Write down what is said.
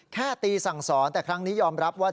แค่ตีสั่งสอนแต่ครั้งนี้ยอมรับว่า